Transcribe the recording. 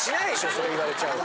そう言われちゃうと。